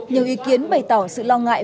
nhiều ý kiến bày tỏ sự lo ngại